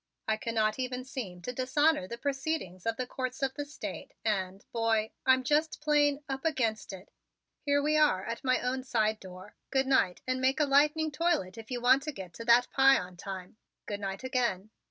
I cannot even seem to dishonor the proceedings of the courts of the State and, boy, I'm just plain up against it. Here we are at my own side door. Good night, and make a lightning toilet if you want to get to that pie on time. Good night, again!"